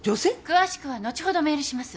詳しくは後ほどメールします。